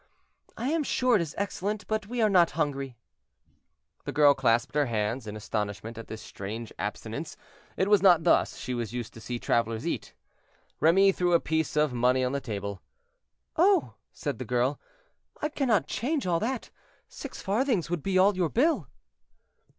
"I am sure it is excellent, but we are not hungry." The girl clasped her hands in astonishment at this strange abstinence; it was not thus she was used to see travelers eat. Remy threw a piece of money on the table. "Oh!" said the girl, "I cannot change all that; six farthings would be all your bill."